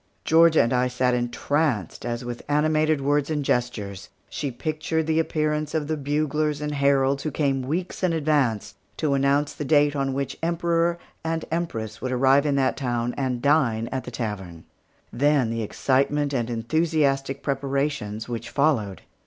Georgia and I sat entranced, as with animated words and gestures she pictured the appearance of the buglers and heralds who came weeks in advance to announce the date on which the Emperor and Empress would arrive in that town and dine at the tavern; then the excitement and enthusiastic preparations which followed.